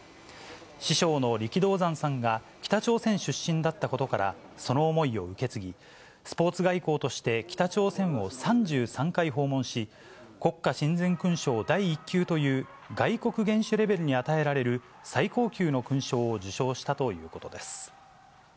師匠の力道山さんが北朝鮮出身だったことから、その思いを受け継ぎ、スポーツ外交として、北朝鮮を３３回訪問し、国家親善勲章第一級という、外国元首レベルに与えられる最高級の勲章を受章したということです。